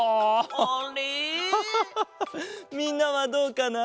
みんなはどうかな？